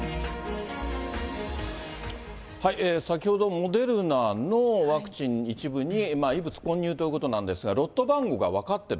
モデルナのワクチン一部に異物混入ということなんですが、ロット番号が分かってる。